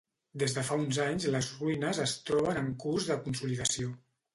Des de fa uns anys les ruïnes es troben en curs de consolidació.